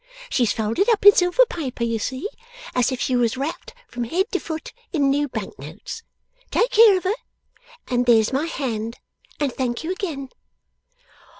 She's folded up in silver paper, you see, as if she was wrapped from head to foot in new Bank notes. Take care of her, and there's my hand, and thank you again.